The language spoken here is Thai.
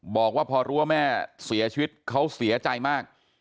บอกว่าพอรู้ว่าแม่เสียชีวิตเขาเสียใจมาก